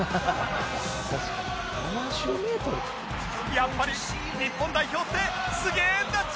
やっぱり日本代表ってすげぇんだ Ｊ！